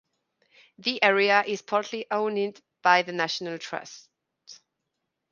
The area is partly owned by the National Trust.